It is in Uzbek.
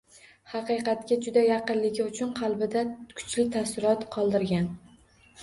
Haqiqatga juda yaqinligi uchun qalbida kuchli taassurot qoldirgan